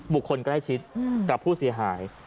คนใกล้ชิดกับผู้เสียหาย